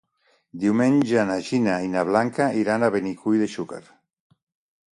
Diumenge na Gina i na Blanca iran a Benicull de Xúquer.